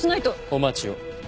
お待ちを。